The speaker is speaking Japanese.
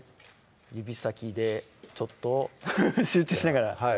指先でちょっとハハッ集中しながらはい